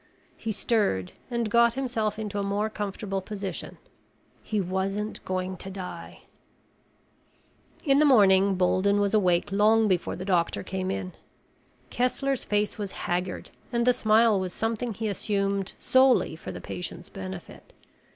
He stirred and got himself into a more comfortable position. He wasn't going to die. In the morning, Bolden was awake long before the doctor came in. Kessler's face was haggard and the smile was something he assumed solely for the patient's benefit.